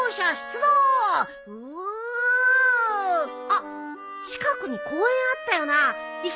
あっ近くに公園あったよな行きたい。